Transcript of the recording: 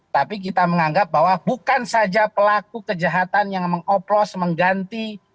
tapi kita menganggap bahwa bukan saja pelaku kejahatan yang mengoplos mengganti